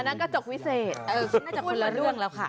กระจกวิเศษน่าจะคนละเรื่องแล้วค่ะ